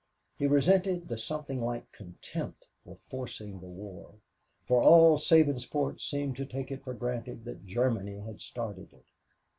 He resented the something like contempt for forcing the war for all Sabinsport seemed to take it for granted that Germany had started it.